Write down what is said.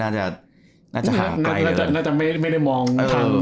น่าจะน่าจะห่างไกลน่าจะน่าจะไม่ได้ไม่ได้มองเออเออ